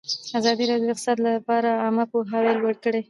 ازادي راډیو د اقتصاد لپاره عامه پوهاوي لوړ کړی.